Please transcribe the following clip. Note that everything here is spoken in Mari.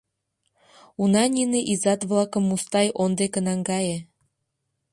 — Уна нине изат-влакым Мустай он деке наҥгае.